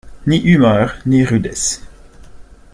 Ni humeur, ni rudesse.